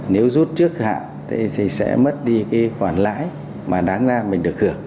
nếu rút trước hạn thì sẽ mất đi khoản lãi mà đáng ra mình được hưởng